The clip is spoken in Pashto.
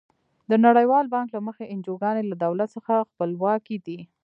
د نړیوال بانک له مخې انجوګانې له دولت څخه خپلواکې دي.